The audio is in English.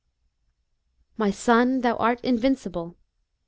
" My son, thou art invincible."